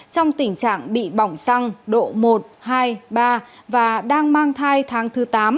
trong tình trạng bị bỏng xăng độ một hai ba và đang mang thai tháng thứ tám